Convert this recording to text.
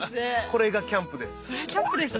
これがキャンプです。